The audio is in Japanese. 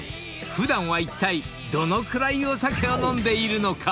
普段はいったいどのくらいお酒を飲んでいるのか？］